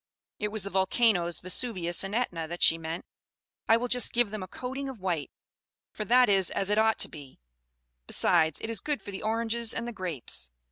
It was the volcanoes Vesuvius and Etna that she meant. "I will just give them a coating of white, for that is as it ought to be; besides, it is good for the oranges and the grapes."